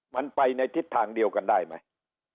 มันไปในทิศทางเดียวกันได้ไหม